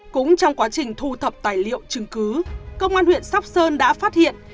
cũng trong quá trình thu thập tài liệu chứng cứ công an huyện sóc sơn đã phát hiện